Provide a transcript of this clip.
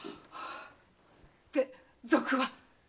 で賊は？